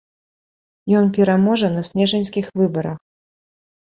Ён пераможа на снежаньскіх выбарах.